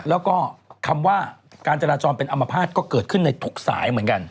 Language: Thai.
แล้วก็คำว่าการจราจรเป็นอัมพาตก็เกิดขึ้นในทุกสายเหมือนกัน